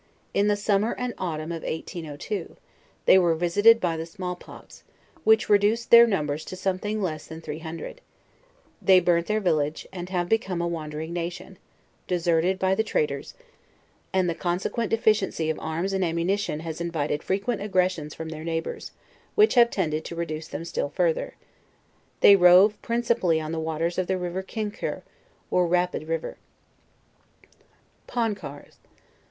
In the summer and autumn of 1802, they were visi ted by the small pox, which reduced their numbers to some thing less than three hundred; they burnt their village, and have became a wandering nation, deserted by the traders, and the consequent deficiency of arms and ammunition has invited frequent agrcss ions from their neighbors, which have tended to reduce them still further. They rove principally on the waters of the river Q,uicurre, or Kapid river. PONCARS.